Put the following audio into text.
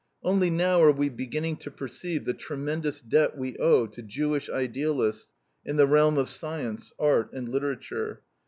Only now are we beginning to perceive the tremendous debt we owe to Jewish idealists in the realm of science, art, and literature.